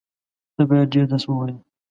ته بايد ډېر درس ووایې.